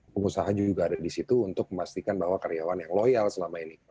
pengusaha juga ada di situ untuk memastikan bahwa karyawan yang loyal selama ini